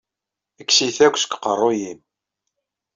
Kkes-it akk seg uqeṛṛu-yim!